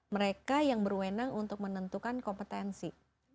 mereka yang berwenang untuk menentukan kompetensi